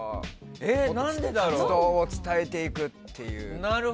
活動を伝えていくっていう。